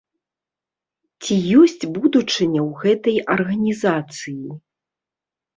Ці ёсць будучыня ў гэтай арганізацыі?